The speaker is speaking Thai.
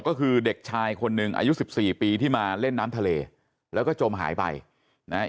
ก็คือเด็กชายคนหนึ่งอายุสิบสี่ปีที่มาเล่นน้ำทะเลแล้วก็จมหายไปนะฮะ